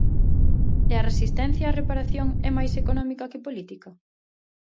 E a resistencia á reparación é máis económica que política?